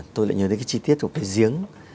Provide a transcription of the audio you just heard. tôi lại nhớ đến cái chi tiết của cái giếng